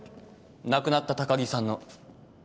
亡くなった高城さんの。